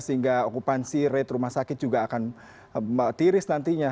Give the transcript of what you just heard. sehingga okupansi rate rumah sakit juga akan tiris nantinya